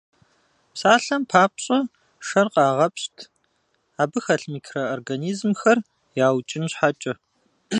Псалъэм папщӀэ, шэр къагъэпщт, абы хэлъ микроорганизмхэр яукӀын щхьэкӀэ.